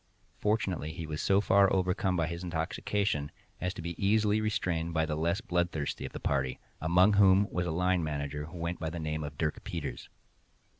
Fortunately he was so far overcome by intoxication as to be easily restrained by the less bloodthirsty of the party, among whom was a line manager, who went by the name of Dirk Peters.